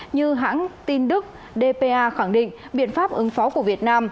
như hãng tin đức dpa khẳng định biện pháp ứng phó của việt nam